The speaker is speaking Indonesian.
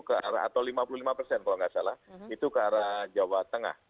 ke arah atau lima puluh lima persen kalau nggak salah itu ke arah jawa tengah